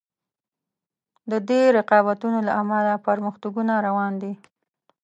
د دې رقابتونو له امله پرمختګونه روان وي.